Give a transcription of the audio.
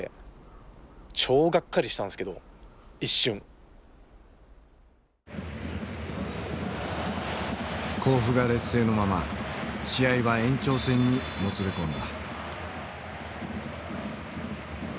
そのまま甲府が劣勢のまま試合は延長戦にもつれ込んだ。